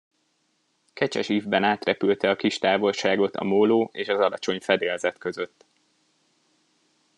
Kecses ívben átrepülte a kis távolságot a móló és az alacsony fedélzet között.